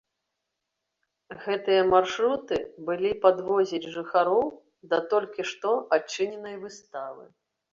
Гэтыя маршруты былі падвозіць жыхароў да толькі што адчыненай выставы.